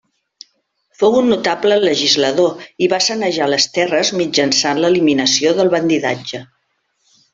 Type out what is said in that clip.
Fou un notable legislador i va sanejar les terres mitjançant l'eliminació del bandidatge.